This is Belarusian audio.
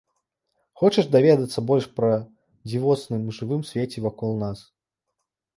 Хочаш даведацца больш пра дзівосным жывым свеце вакол нас?